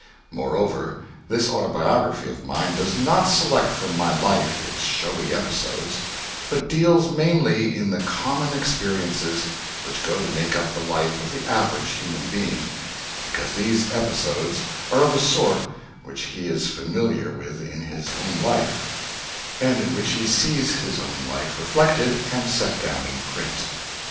Moreover, this autobiography of mine does not select from my life its showy episodes, but deals mainly in the common experiences which go to make up the life of the average human being, because these episodes are of a sort which he is familiar with in his own life, and in which he sees his own life reflected and set down in print.